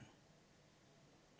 masalah ini tetap harus diselesaikan